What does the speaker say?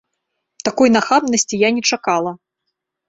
Такой нахабнасці я не чакала.